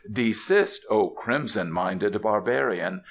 "Desist, O crimson minded barbarian!